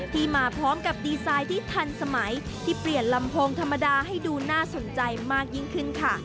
ที่มาพร้อมกับดีไซน์ที่ทันสมัยที่เปลี่ยนลำโพงธรรมดาให้ดูน่าสนใจมากยิ่งขึ้นค่ะ